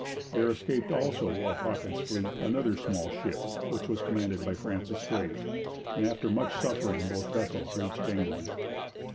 There escaped, also, of Hawkins's fleet another small ship, which was commanded by Francis Drake; and after much suffering both vessels reached England.